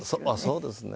そうですね。